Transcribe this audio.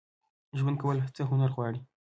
ژوند کول څه هنر غواړي؟